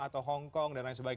atau hongkong dan lain sebagainya